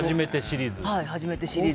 初めてシリーズ。